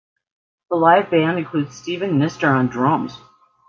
The live band includes Steven Nistor on drums.